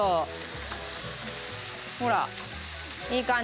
ほらいい感じ。